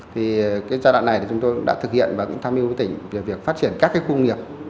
thì giai đoạn này chúng tôi đã thực hiện và cũng tham hiu với tỉnh về việc phát triển các khu công nghiệp